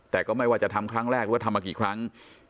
แต่ก็ไม่ว่าจะทำครั้งแรกหรือว่าทำมากี่ครั้ง